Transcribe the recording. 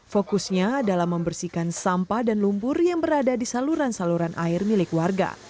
fokusnya adalah membersihkan sampah dan lumpur yang berada di saluran saluran air milik warga